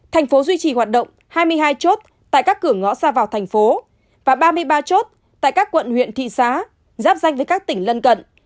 thành phố duy trì hoạt động hai mươi hai chốt tại các cửa ngõ ra vào thành phố và ba mươi ba chốt tại các quận huyện thị xã giáp danh với các tỉnh lân cận